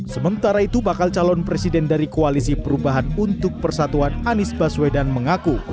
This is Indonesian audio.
sementara itu bakal calon presiden dari koalisi perubahan untuk persatuan anies baswedan mengaku